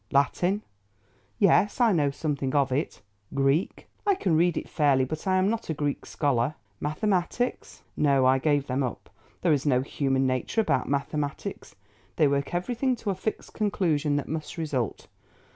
"Latin?" "Yes, I know something of it." "Greek?" "I can read it fairly, but I am not a Greek scholar." "Mathematics?" "No, I gave them up. There is no human nature about mathematics. They work everything to a fixed conclusion that must result.